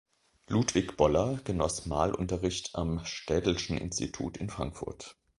Ludwig Boller genoss Malunterricht am Städelschen Institut in Frankfurt.